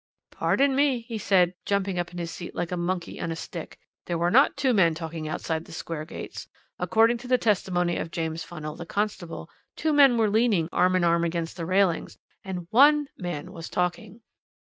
"Pardon me," he said, jumping up in his seat like a monkey on a stick, "there were not two men talking outside the Square gates. According to the testimony of James Funnell, the constable, two men were leaning arm in arm against the railings and one man was talking."